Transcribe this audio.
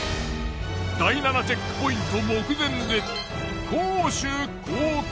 第７チェックポイント目前で攻守交代。